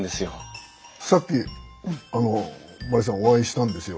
さっきあの万里さんお会いしたんですよ。